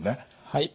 はい。